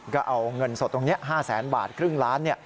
ก็เอาเงินสดตรงนี้๕แสนบาทครึ่งล้าน